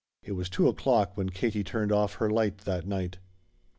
It was two o'clock when Katie turned off her light that night.